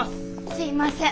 すいません